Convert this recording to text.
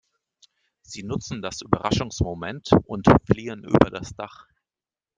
Sie nutzen das Überraschungsmoment und fliehen über das Dach.